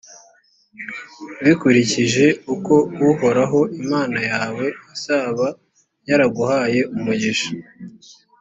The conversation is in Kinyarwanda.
bikurikije uko uhoraho imana yawe azaba yaraguhaye umugisha.